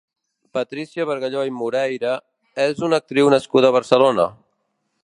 Patrícia Bargalló i Moreira és una actriu nascuda a Barcelona.